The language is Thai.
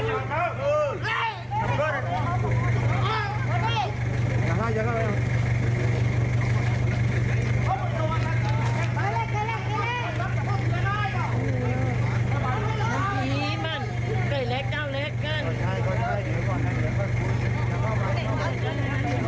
โอ้อันนี้มันแต่เล็กกาวเล็กกัน